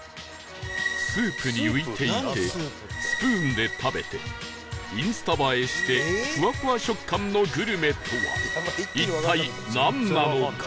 スープに浮いていてスプーンで食べてインスタ映えしてフワフワ食感のグルメとは一体なんなのか？